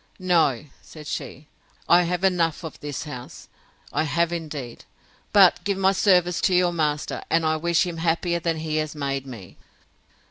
No, said she, I have enough of this house; I have indeed. But give my service to your master, and I wish him happier than he has made me.